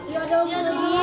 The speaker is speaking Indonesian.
juga pengen lihat